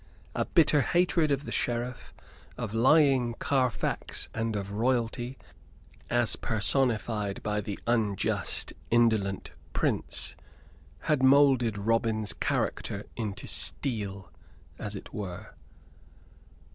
A bitter hatred of the Sheriff; of lying Carfax and of Royalty, as personified by the unjust, indolent Prince, had moulded Robin's character into steel, as it were.